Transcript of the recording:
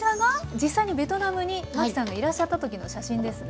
実際にベトナムにマキさんがいらっしゃったときの写真ですね。